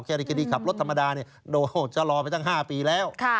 เฉยที่รีคาคสรอไปตั้ง๕ปีแล้ว